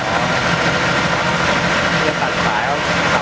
สมัยที่จะทันความเต็ม